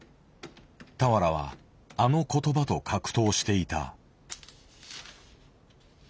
俵はあの言葉と格闘していた。